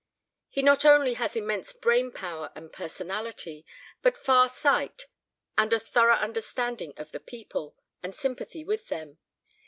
"He not only has immense brain power and personality, but farsight and a thorough understanding of the people, and sympathy with them.